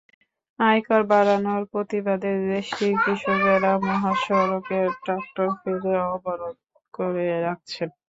আয়কর বাড়ানোর প্রতিবাদে দেশটির কৃষকেরা মহাসড়কে ট্রাক্টর ফেলে অবরোধ করে রাখছেন।